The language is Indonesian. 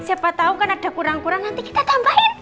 siapa tahu kan ada kurang kurang nanti kita tambahin